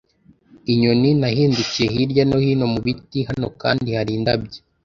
inyoni. Nahindukiye hirya no hino mu biti. Hano kandi hari indabyo